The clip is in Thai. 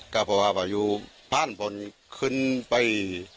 ก็ไปเผาประชุมภานพลขึ้นไป